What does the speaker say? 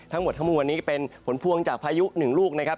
ทั้งหมดทั้งมวลนี้ก็เป็นผลพวงจากพายุหนึ่งลูกนะครับ